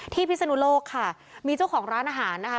พิศนุโลกค่ะมีเจ้าของร้านอาหารนะคะ